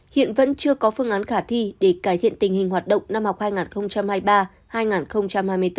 hiện vẫn chưa có phương án khả thi để cải thiện tình hình hoạt động năm học hai nghìn hai mươi bốn